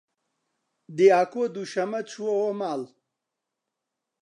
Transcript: دیاکۆ دووشەممە چووەوە ماڵ.